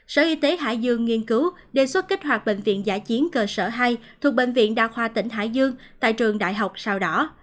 sở y tế hải dương nghiên cứu đề xuất kích hoạt bệnh viện giả chiến cơ sở hai thuộc bệnh viện đa khoa tỉnh hải dương tại trường đại học sao đỏ